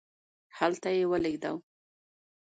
هلته یې ولیږدوو.